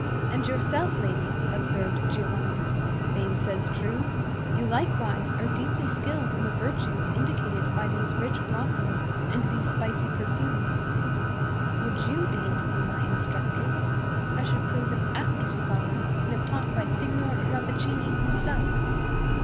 "And yourself, lady," observed Giovanni, "if fame says true,—you likewise are deeply skilled in the virtues indicated by these rich blossoms and these spicy perfumes. Would you deign to be my instructress, I should prove an apter scholar than if taught by Signor Rappaccini himself."